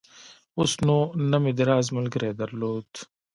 اوس نو نه مې د راز ملګرى درلود.